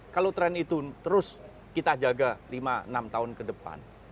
kalau tren itu terus kita jaga lima enam tahun ke depan